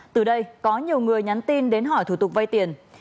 từ đây có nhiều người nhắn tin đến hỏi thủ tục vay tiền